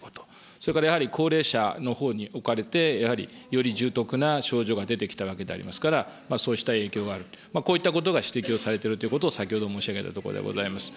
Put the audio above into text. それからやはり高齢者のほうにおかれて、やはりより重篤な症状が出てきたわけでありますから、そうした影響がある、こういったことが指摘をされているということを、先ほど申し上げたところでございます。